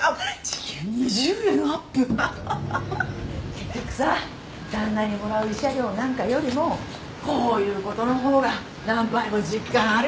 結局さ旦那にもらう慰謝料なんかよりもこういうことの方が何倍も実感あるよね。